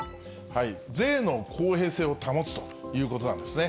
税の公平性を保つということなんですね。